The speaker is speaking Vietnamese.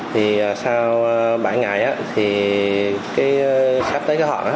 thì sau bảy ngày thì sắp tới gần